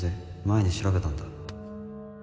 前に調べたんだ